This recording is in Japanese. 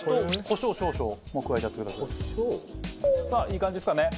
コショウ？さあいい感じですかね。